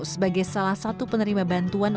sebagai salah satu penerima bantuan